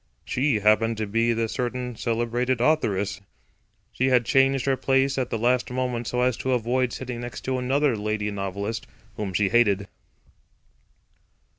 She happened to be the certain celebrated authoress; she had changed her place at the last moment so as to avoid sitting next to another lady novelist, whom she hated.